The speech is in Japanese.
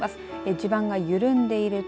地盤が緩んでいる所